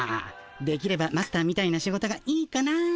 できればマスターみたいな仕事がいいかななんて。